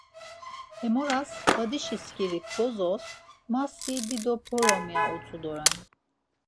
Hemoras badişi skirik bozos ‘Ma si dido p̌orom’ ya utzu doren.